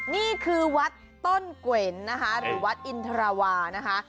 นี่คือวัดต้นเกวนนะคะหรือวัดอินทราวานะคะ